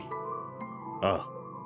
ああ。